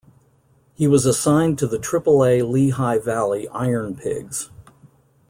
He was assigned to the Triple-A Lehigh Valley IronPigs.